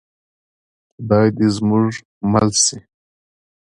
خدای دې زموږ مل شي